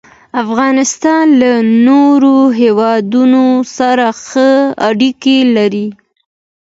افغانستان له نورو هېوادونو سره ښې اړیکې لري.